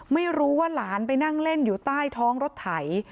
ไม่รู้ว่าหลานไปนั่งเล่นอยู่ใต้ท้องรถไถ